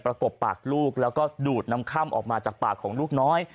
กบปากลูกแล้วก็ดูดน้ำค่ำออกมาจากปากของลูกน้อย